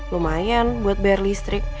lumayan buat bayar listrik